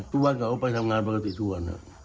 ทุกวันเขาไปทำงานปกติทุกวันอะ